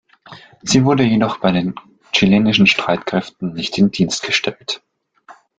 Sie wurden jedoch bei den chilenischen Streitkräften nicht in Dienst gestellt.